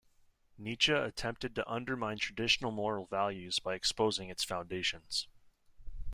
Nietzsche attempted to undermine traditional moral values by exposing its foundations.